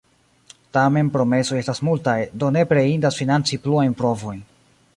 Tamen promesoj estas multaj, do nepre indas financi pluajn provojn.